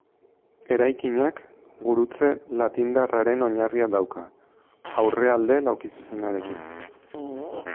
Eraikinak, gurutze latindarraren oinarria dauka, aurrealde laukizuzenarekin.